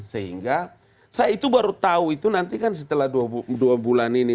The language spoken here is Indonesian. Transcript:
sehingga saya itu baru tahu itu nanti kan setelah dua bulan ini